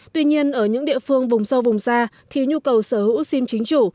tuy nhiên ở những địa phương vùng sâu vùng xa thì nhu cầu sở hữu sim chính chủ